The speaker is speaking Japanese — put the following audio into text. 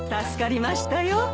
助かりましたよ。